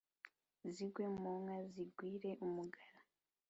zigwe mu nka zigwire umugara